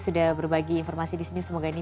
sudah berbagi informasi disini semoga ini